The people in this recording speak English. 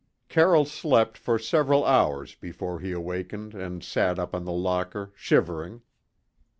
Carroll slept for several hours before he awakened and sat up on the locker, shivering.